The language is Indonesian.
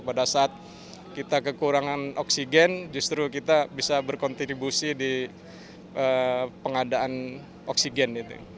pada saat kita kekurangan oksigen justru kita bisa berkontribusi di pengadaan oksigen